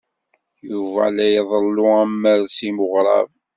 Yuba la iḍellu amers i weɣrab.